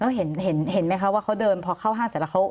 แล้วเห็นไหมคะเขาเดินเพราะเข้าห้างเสร็จแล้ว